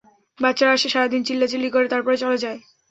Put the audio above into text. বাচ্চারা আসে সারাদিন চিল্লাচিল্লি করে, তারপর চলে যায়।